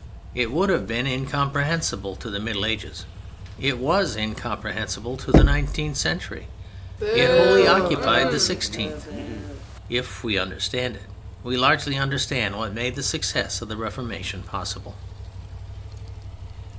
It would have been incomprehensible to the Middle Ages. It was incomprehensible to the nineteenth century. It wholly occupied the sixteenth. If we understand it, we largely understand what made the success of the Reformation possible.